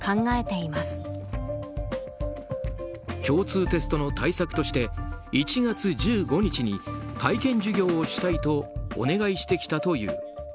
共通テストの対策として１月１５日に体験授業をしたいとお願いしてきたという。